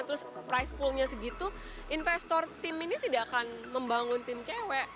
terus price pool nya segitu investor tim ini tidak akan membangun tim cewek